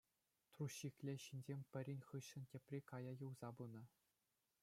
Труҫҫиклӗ ҫынсем пӗрин хыҫҫӑн тепри кая юлса пынӑ.